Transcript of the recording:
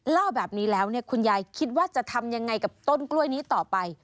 เล่าแบบนี้แล้วคุณยายคิดว่าจะทำยังไงกับต้นกล้วยนี้ต่อไป